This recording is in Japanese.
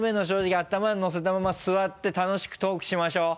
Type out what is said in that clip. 頭にのせたまま座って楽しくトークしましょう。